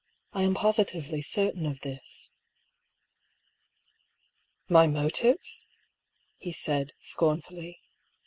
I am positively certain of this." " My motives? " he said, scornfully.